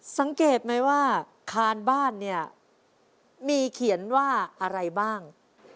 สังเกตไหมว่าคานบ้านเนี่ยมีเขียนว่าอะไรบ้าง